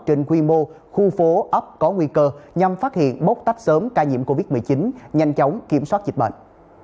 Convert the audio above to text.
trên quy mô khu phố ấp có nguy cơ nhằm phát hiện bốc tách sớm ca nhiễm covid một mươi chín nhanh chóng kiểm soát dịch bệnh